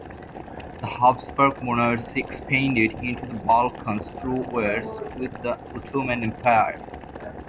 The Habsburg Monarchy expanded into the Balkans through wars with the Ottoman Empire.